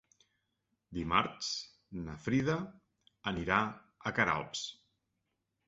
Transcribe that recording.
Dimarts na Frida anirà a Queralbs.